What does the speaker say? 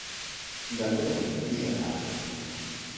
Galdera hori tiraka agertzen da.